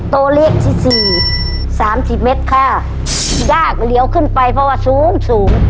ตัวเลขที่สี่สามสิบเมตรค่ะยากเหลียวขึ้นไปเพราะว่าสูงสูง